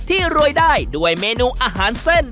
รวยได้ด้วยเมนูอาหารเส้น